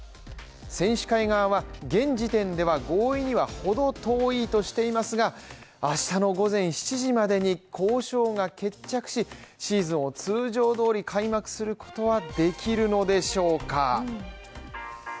選手会側は、現時点では合意にはほど遠いとしていますが、明日の午前７時までに交渉が決着し、シーズンを通常どおり開幕することはできるのでしょうか。